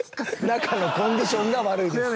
中のコンディションが悪いです。